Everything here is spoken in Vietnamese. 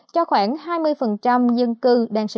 cho khoảng hai mươi dân cư